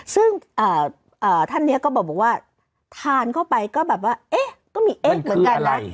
ซึ่งท่านนี้ก็บอกว่าทานเข้าไปก็แบบว่าเอ๊ะก็มีเอ๊ะเหมือนกันนะ